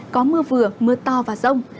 có mưa vừa mưa to và rông